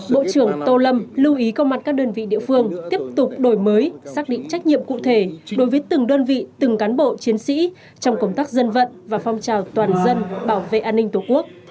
bộ trưởng tô lâm lưu ý công an các đơn vị địa phương tiếp tục đổi mới xác định trách nhiệm cụ thể đối với từng đơn vị từng cán bộ chiến sĩ trong công tác dân vận và phong trào toàn dân bảo vệ an ninh tổ quốc